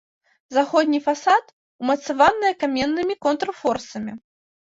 Заходні фасад умацаваныя каменнымі контрфорсамі.